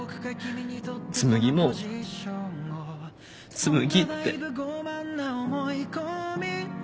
紬も紬って。